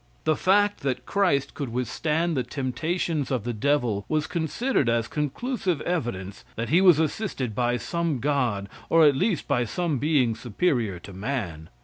The fact that Christ could withstand the temptations of the devil was considered as conclusive evidence that he was assisted by some god, or at least by some being superior to man.